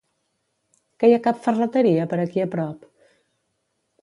Que hi ha cap ferreteria per aquí a prop?